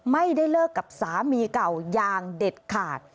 ไม่ได้เลิกกับสามีเก่าอย่างเด็ดขาด